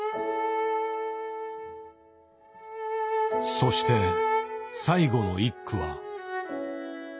そして最後の１句は。